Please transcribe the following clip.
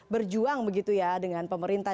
berjuang begitu ya dengan pemerintah